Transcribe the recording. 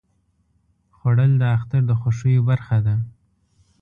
خوړل د اختر د خوښیو برخه ده